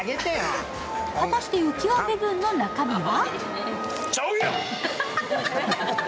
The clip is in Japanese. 果たして、うきわ部分の中身は？